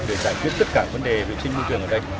để giải quyết tất cả vấn đề vệ sinh môi trường ở đây